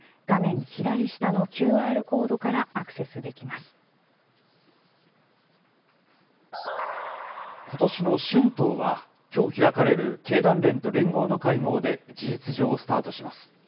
画面左下のＱＲコードからアクセことしの春闘は、きょう開かれる経団連と連合の会合で事実上スタートします。